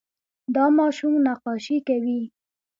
دا ماشوم نقاشي کوي.